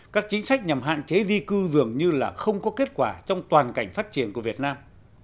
các chính sách nhằm hạn chế di cư dường như là không có kết quả trong toàn cảnh phát triển của việt nam